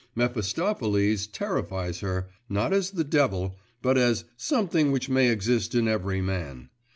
Mephistopheles terrifies her, not as the devil, but as 'something which may exist in every man.